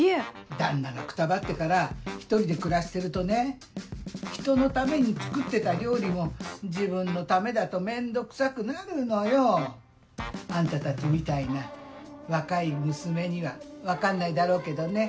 旦那がくたばってから１人で暮らしてるとねひとのために作ってた料理も自分のためだと面倒くさくなるのよ。あんたたちみたいな若い娘には分かんないだろうけどね。